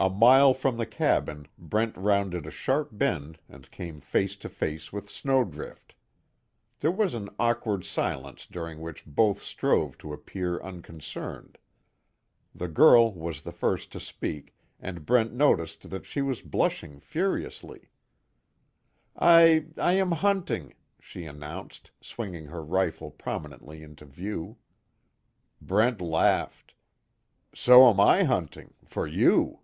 A mile from the cabin Brent rounded a sharp bend and came face to face with Snowdrift. There was an awkward silence during which both strove to appear unconcerned. The girl was the first to speak, and Brent noticed that she was blushing furiously: "I I am hunting," she announced, swinging her rifle prominently into view. Brent laughed: "So am I hunting for you."